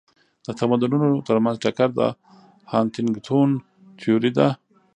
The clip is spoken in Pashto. د تمدنونو ترمنځ ټکر د هانټینګټون تيوري ده.